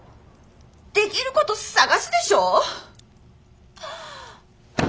できること探すでしょ？